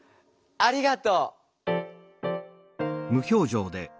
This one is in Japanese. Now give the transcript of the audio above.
ありがと。